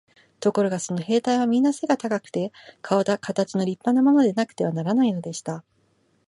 ところがその兵隊はみんな背が高くて、かおかたちの立派なものでなくてはならないのでした。